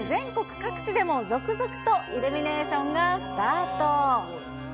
そして、全国各地でも続々とイルミネーションがスタート。